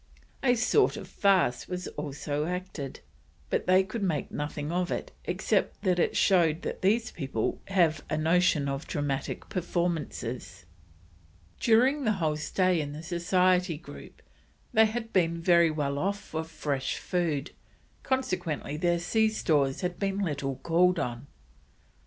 A sort of farce was also acted, but they could make nothing of it, except that it "showed that these people have a notion of Dramatic Performances." During the whole stay in the Society Group they had been very well off for fresh food, consequently their sea stores had been little called on.